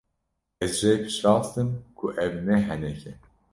Ez jê piştrast im ku ev ne henek e.